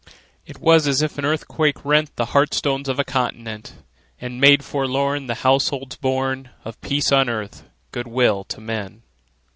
It was as if an earthquake rent The hearth stones of a continent, And made forlorn The households born Of peace on earth, good will to men!